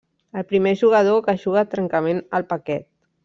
El primer jugador que juga trencament el paquet.